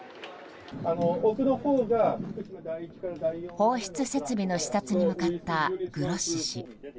放出設備の視察に向かったグロッシ氏。